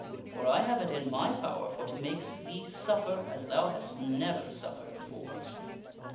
For I have it in my power for to make thee suffer as thou hast never suffered before."